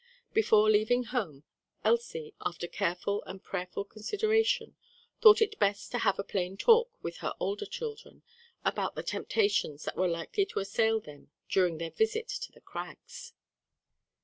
Before leaving home, Elsie, after careful and prayerful consideration, thought it best to have a plain talk with her older children about the temptations that were likely to assail them during their visit to the Crags.